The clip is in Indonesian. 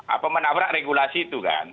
apa menabrak regulasi itu kan